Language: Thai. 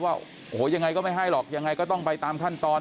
ว่าโอ้โหยังไงก็ไม่ให้หรอกยังไงก็ต้องไปตามขั้นตอน